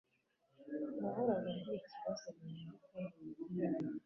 Nahoraga ngira ikibazo muburyo Tom yitwara